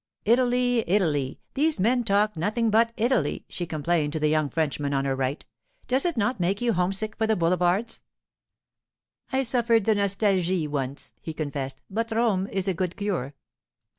'Italy, Italy! These men talk nothing but Italy,' she complained to the young Frenchman on her right. 'Does it not make you homesick for the boulevards?' 'I suffered the nostalgie once,' he confessed, 'but Rome is a good cure.